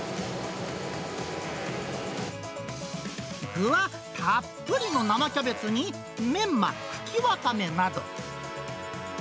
具はたっぷりの生キャベツにメンマ、茎ワカメなど。